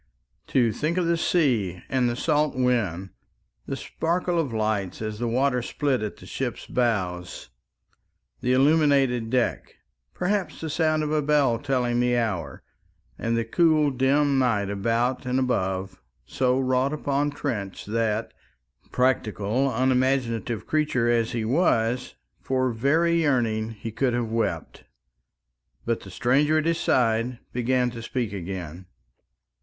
To think of the sea and the salt wind, the sparkle of light as the water split at the ship's bows, the illuminated deck, perhaps the sound of a bell telling the hour, and the cool dim night about and above, so wrought upon Trench that, practical unimaginative creature as he was, for very yearning he could have wept. But the stranger at his side began to speak again.